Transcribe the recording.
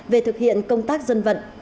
về thực hiện công tác dân vận